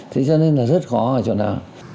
thế cho nên là rất khó hỏi cho nó